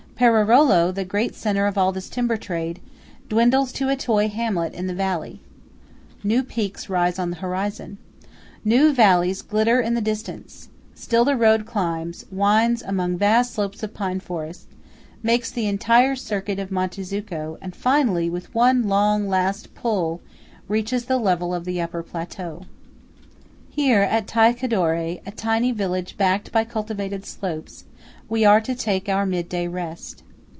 Perarolo, the great centre of all this timber trade, dwindles to a toy hamlet in the valley. New peaks rise on the horizon. New valleys glitter in the distance. Still the road climbs–winds among vast slopes of pine forest–makes the entire circuit of Monte Zucco, and finally, with one long, last pull, reaches the level of the upper plateau. Here, at Tai Cadore, a tiny village backed by cultivated slopes, we are to take our midday rest.